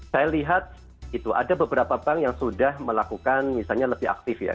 saya lihat itu ada beberapa bank yang sudah melakukan misalnya lebih aktif ya